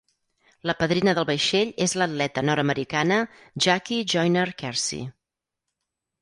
La padrina del vaixell és l'atleta nord-americana Jackie Joyner-Kersee.